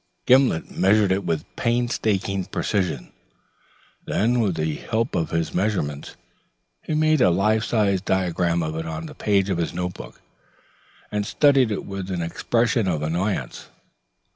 Gimblet measured it with painstaking precision; then with the help of his measurements, he made a life size diagram of it on the page of his notebook, and studied it with an expression of annoyance.